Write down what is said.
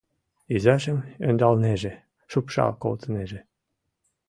Изажым ӧндалнеже, шупшал колтынеже...